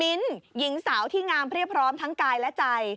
หญิงสาวที่งามเรียบพร้อมทั้งกายและใจ